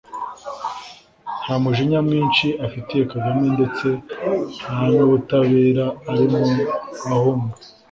nta mujinya mwinshi afitiye Kagame ndetse nta n’ubutabera arimo ahunga